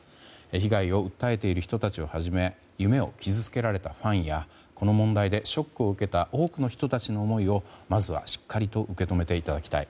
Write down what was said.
被害を訴えている人たちをはじめ夢を傷つけられたファンやこの問題でショックを受けた多くの人たちの思いをまずはしっかりと受け止めていただきたい。